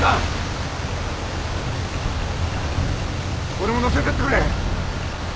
俺も乗せてってくれ！